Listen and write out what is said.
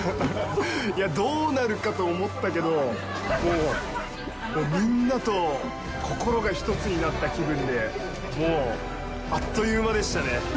いや、どうなるかと思ったけどもうみんなと心が一つになった気分でもうあっという間でしたね。